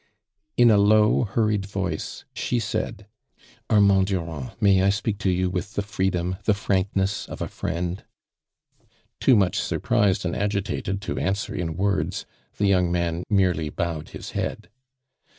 In a low hurried voice she said :" Armand ] )urand, may I speak to you with the free 'lom, the fmnkness of a friend?" Too mucli surprised and agitated to rtnswer in words, the young man merely towed his head.